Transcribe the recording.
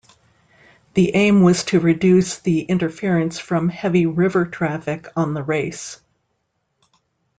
The aim was to reduce the interference from heavy river traffic on the race.